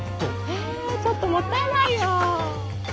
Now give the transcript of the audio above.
えちょっともったいないよ！